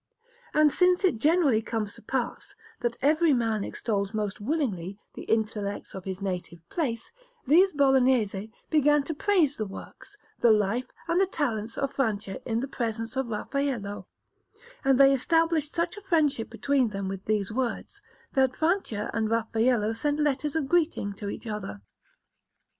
And since it generally comes to pass that every man extols most willingly the intellects of his native place, these Bolognese began to praise the works, the life, and the talents of Francia in the presence of Raffaello, and they established such a friendship between them with these words, that Francia and Raffaello sent letters of greeting to each other.